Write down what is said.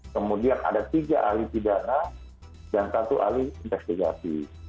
kemudian ada tiga alis pidana dan satu alis investigasi